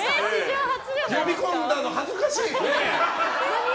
呼び込んだの、恥ずかしい。